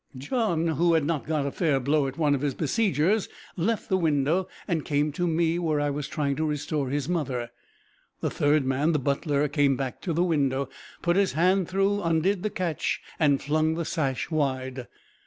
John, who had not got a fair blow at one of his besiegers, left the window, and came to me where I was trying to restore his mother. The third man, the butler, came back to the window, put his hand through, undid the catch, and flung the sash wide.